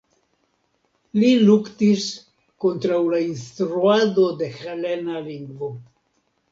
Li luktis kontraŭ la instruado de helena lingvo.